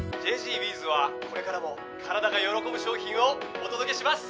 ＪＧＶｓはこれからも体が喜ぶ商品をお届けします！